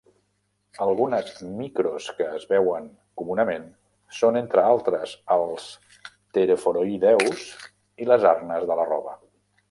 Algunes "micros" que es veuen comunament són, entre altres, els pteroforoïdeus i les arnes de la roba.